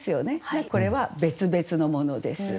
だからこれは別々のものです。